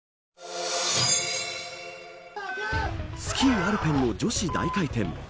スキーアルペンの女子大回転。